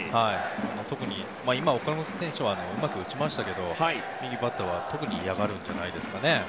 特に今、岡本選手がうまく打ちましたけど右バッターは特に嫌がるんじゃないですかね。